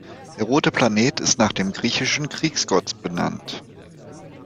Der rote Planet ist nach dem griechischen Kriegsgott benannt.